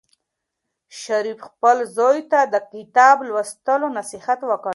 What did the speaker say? شریف خپل زوی ته د کتاب لوستلو نصیحت وکړ.